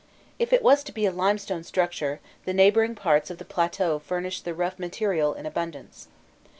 If it was to be a limestone structure, the neighbouring parts of the plateau furnished the rough material in abundance.